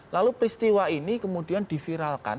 lalu peristiwa ini kemudian diviralkan